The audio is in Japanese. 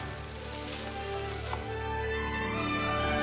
はい。